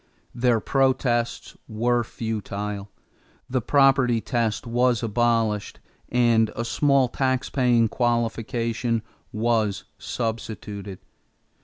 Their protests were futile. The property test was abolished and a small tax paying qualification was substituted.